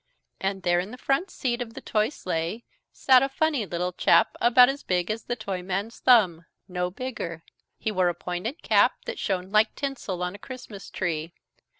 And there in the front seat of the toy sleigh sat a funny little chap, about as big as the Toyman's thumb no bigger. He wore a pointed cap that shone like tinsel on a Christmas tree.